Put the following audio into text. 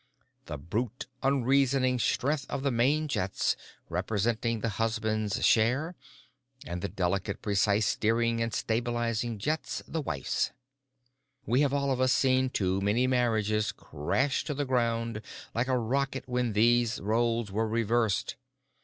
The brute, unreasoning strength of the main jets representing the husband's share and the delicate precise steering and stabilizing jets the wife's. We have all of us seen too many marriages crash to the ground like a rocket when these roles were reversed.